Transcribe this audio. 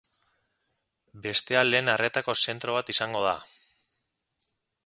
Bestea lehen arretako zentro bat izango da.